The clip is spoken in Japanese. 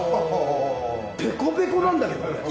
ペコペコなんだけど。